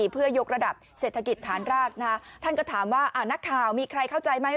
เพื่อยกระดับเศรษฐกิจฐานรากท่านก็ถามว่านักข่าวมีใครเข้าใจไหม